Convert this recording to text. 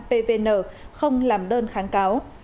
pvn không làm đơn kháng cáo